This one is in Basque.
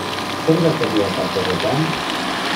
Zer gertatu da tarte horretan?